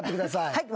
はい。